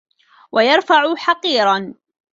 وَيَرْفَعَ حَقِيرًا